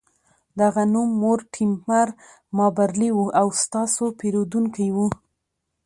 د هغه نوم مورټیمر مابرلي و او ستاسو پیرودونکی و